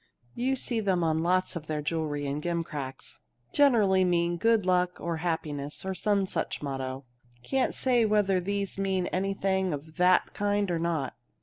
You see them on lots of their jewelry and gimcracks generally mean 'good luck,' or 'happiness,' or some such motto. Can't say whether these mean anything of that kind or not."